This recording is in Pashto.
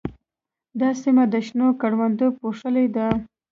دا سیمه د شنو کروندو پوښلې ده.